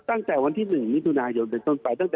ตั้งแต่วันที่หนึ่ง